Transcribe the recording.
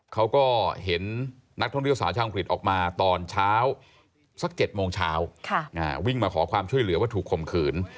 เขาก็เห็นนักท่องเที่ยวสาวชาวอังกฤษออกมาตอนเช้าสัก๗โมงเช้าวิ่งมาขอความช่วยเหลือว่าถูกข่มขืน